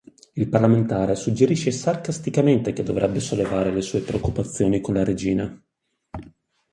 Il parlamentare suggerisce sarcasticamente che dovrebbe sollevare le sue preoccupazioni con la regina.